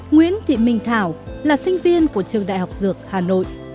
nguyễn thị minh thảo là sinh viên của trường đại học dược hà nội